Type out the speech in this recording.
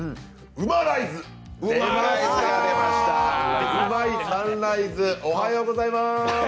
うまいサンライズ、おはようございます。